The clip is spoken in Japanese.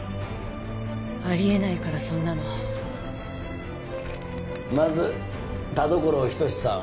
ありえないからそんなのまず田所仁志さん